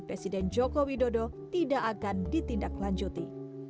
presiden joko widodo tidak akan ditindaklanjuti